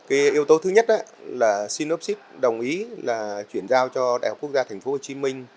yếu tố thứ nhất là synopsis đồng ý chuyển giao cho đại học quốc gia tp hcm